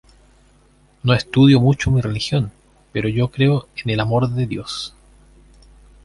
No estudio mucho mi religión, pero yo creo en el amor de Dios.